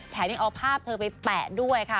ยังเอาภาพเธอไปแปะด้วยค่ะ